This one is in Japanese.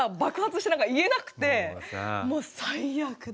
もう最悪だ。